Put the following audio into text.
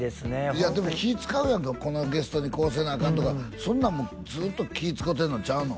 いやでも気使うやんかこのゲストにこうせなアカンとかそんなんもずっと気使うてんのちゃうの？